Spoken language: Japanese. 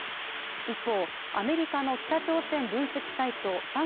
一方、アメリカの北朝鮮分析サイト３８